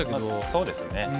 そうですね。